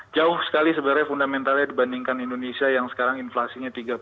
jauh sekali sebenarnya fundamentalnya dibandingkan indonesia yang sekarang inflasinya